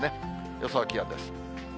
予想気温です。